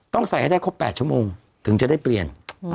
ต้องใส่ให้ได้ครบ๘ชั่วโมงถึงจะได้เปลี่ยน